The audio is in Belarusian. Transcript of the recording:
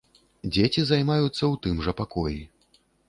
Дзеці займаюцца ў тым жа пакоі.